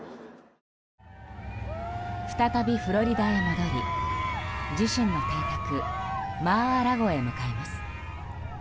再びフロリダへ戻り、自身の邸宅マー・ア・ラゴへ向かいます。